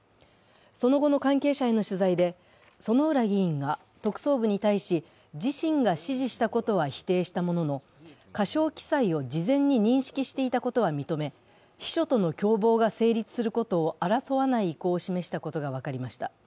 その後の関係者への取材で薗浦議員が特捜部に対し自身が指示したことは否定したものの、過少記載を事前に認識していたことは認め、秘書との共謀が成立することを争わない意向を示したことが分かりました。